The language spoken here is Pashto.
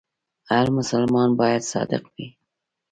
هر مسلمان باید صادق وي.